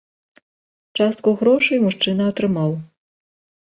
Частку грошай мужчына атрымаў.